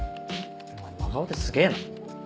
お前真顔ですげぇな。